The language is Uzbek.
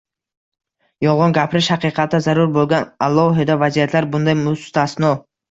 Yolg‘on gapirish haqiqatda zarur bo‘lgan alohida vaziyatlar bunday mustasno.